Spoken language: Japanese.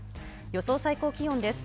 予想最高気温です。